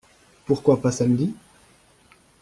Pourquoi pas samedi ?